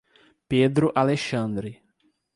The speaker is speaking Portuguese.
Pedro Alexandre